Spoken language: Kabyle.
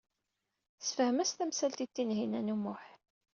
Tessefhem-as tamsalt i Tinhinan u Muḥ.